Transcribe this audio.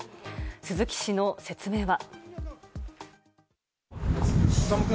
鈴木氏の説明は。